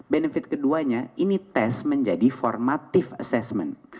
benefit keduanya ini tes menjadi formative assessment